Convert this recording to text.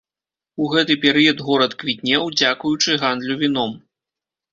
У гэты перыяд горад квітнеў, дзякуючы гандлю віном.